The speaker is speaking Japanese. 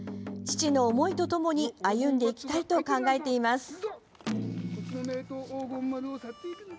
父の思いとともに歩んでいきたいと考えています。